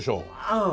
うん。